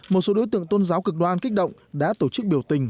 một số đối tượng tôn giáo cực đoan kích động đã tổ chức biểu tình